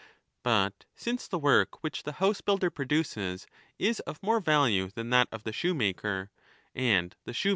But since the work which the housebuilder produces is of more value than that of the shoemaker, and the shoe 33 38 =£'.